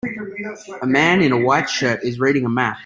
A man in a white shirt is reading a map.